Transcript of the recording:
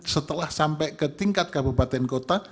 setelah sampai ke tingkat kabupaten kota